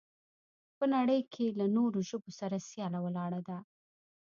او په نړۍ کې له نورو ژبو سره سياله ولاړه ده.